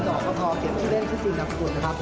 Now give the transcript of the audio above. สามดอกพอพอเก็บที่เล่นที่สุดนับโหตค่ะ